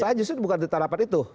saya justru bukan ditarapan itu